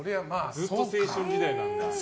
ずっと「青春時代」なんだ。